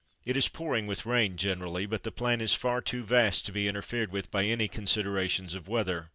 It is pouring with rain generally, but the plan is far too vast to be in / terferedwith by any con siderations of weather.